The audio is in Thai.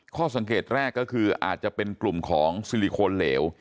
ข้อสังเกตแรกก็คืออาจจะเป็นกลุ่มของซิลิโคนเหลว